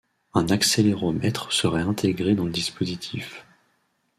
Un accéléromètre serait intégré dans le dispositif.